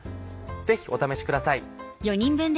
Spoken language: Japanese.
ぜひお試しください。